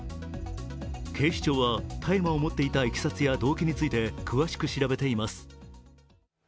警視庁は、大麻を持っていたいきさつや動機について詳しく調べています。